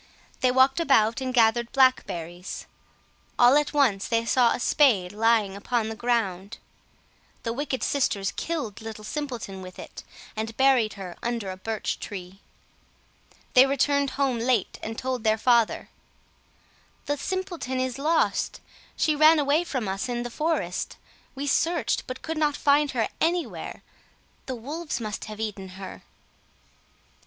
They walked about and gathered blackberries. All at once they saw a spade lying upon the ground. The wicked sisters killed Little Simpleton with it, and buried her under a birch tree. They returned home late, and told their father, "The Simpleton is lost; she ran away from us in the forest; we searched, but could not find her anywhere. The wolves must have eaten her."